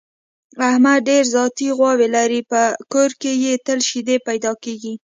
احمد ډېره ذاتي غوا لري، په کور کې یې تل شیدې پیدا کېږي.